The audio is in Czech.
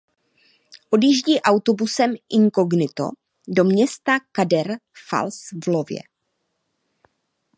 Odjíždí autobusem inkognito do města Cedar Falls v Iowě.